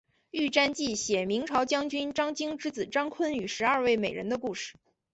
玉蟾记写明朝将军张经之子张昆与十二位美人的故事。